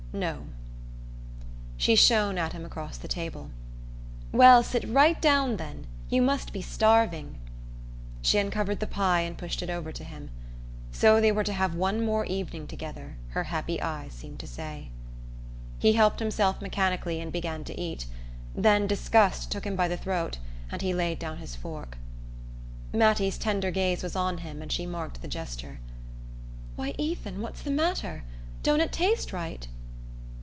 "No." She shone at him across the table. "Well, sit right down then. You must be starving." She uncovered the pie and pushed it over to him. So they were to have one more evening together, her happy eyes seemed to say! He helped himself mechanically and began to eat; then disgust took him by the throat and he laid down his fork. Mattie's tender gaze was on him and she marked the gesture. "Why, Ethan, what's the matter? Don't it taste right?"